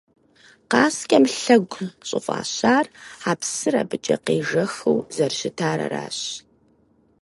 «Къаскӏэм лъэгу» щӏыфӏащар а псыр абыкӏэ къежэхыу зэрыщытар аращ.